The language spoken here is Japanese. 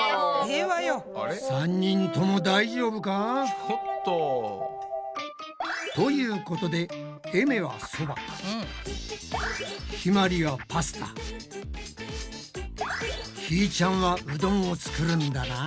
ちょっと。ということでえめはそばひまりはパスタひーちゃんはうどんを作るんだな。